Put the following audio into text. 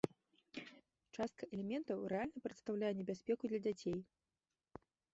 Частка элементаў рэальна прадстаўляе небяспеку для дзяцей.